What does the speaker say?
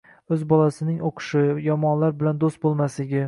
O'z bolasining o'qishi, yomonlar bilan do'st bo'lmasligi